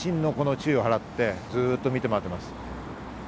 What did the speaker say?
細心の注意を払って、ずっと見て回っています。